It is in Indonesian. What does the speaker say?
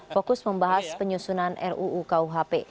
fokus membahas penyusunan ruu kuhp